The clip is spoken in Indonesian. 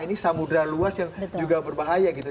ini samudera luas yang juga berbahaya gitu